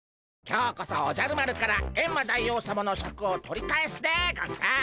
今日こそおじゃる丸からエンマ大王さまのシャクを取り返すでゴンス！